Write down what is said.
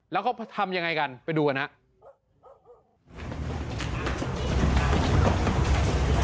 แล้วเค้าทำยังไงกันไปดูกันนะ